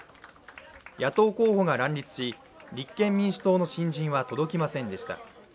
野党候補が乱立し、立憲民主党の新人は届きませんでした。